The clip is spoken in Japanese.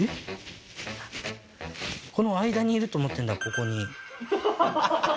この間にいると思ってんだここに。